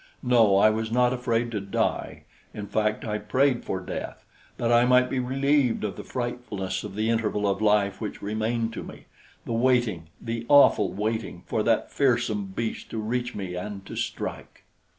No, I was not afraid to die; in fact, I prayed for death, that I might be relieved of the frightfulness of the interval of life which remained to me the waiting, the awful waiting, for that fearsome beast to reach me and to strike.